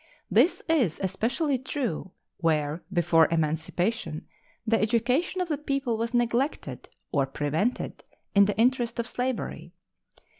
This is especially true where before emancipation the education of the people was neglected or prevented, in the interest of slavery.